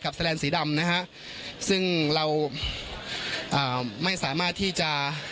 แสลนสีดำนะฮะซึ่งเราอ่าไม่สามารถที่จะ